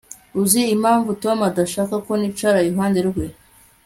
Uzi impamvu Tom adashaka ko nicara iruhande rwe